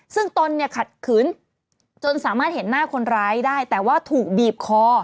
ซึ่งตนเนี่ยขัดขืนจนสามารถเห็นหน้าคนร้ายได้แต่ว่าถูกบีบคอ